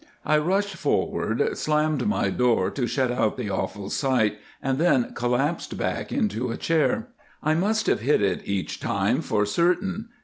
I rushed forward, slammed my door to shut out the awful sight, and then collapsed back into a chair. I must have hit it each time for certain.